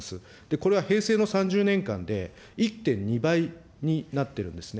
これは平成の３０年間で、１．２倍になってるんですね。